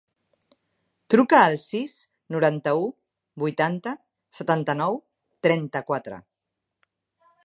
Truca al sis, noranta-u, vuitanta, setanta-nou, trenta-quatre.